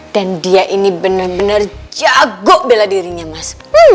dan dia ini bener bener jago bela dirinya mas